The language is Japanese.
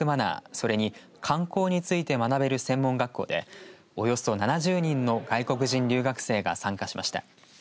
それに観光について学べる専門学校でおよそ７０人の外国人留学生が参加しました。